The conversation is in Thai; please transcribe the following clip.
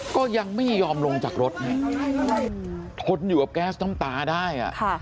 ก็ยังไม่ยอมลงจากรถทนอยู่กับแก๊สน้ำตาได้